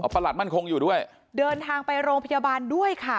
ประหลัดมั่นคงอยู่ด้วยเดินทางไปโรงพยาบาลด้วยค่ะ